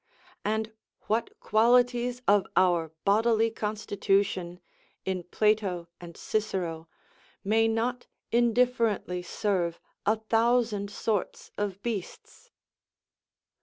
And what qualities of our bodily constitution, in Plato and Cicero, may not indifferently serve a thousand sorts of beasts?